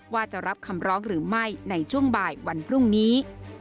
ว่าจะรับคำร้องหรือไม่ในช่วงบ่ายวันพรุ่งนี้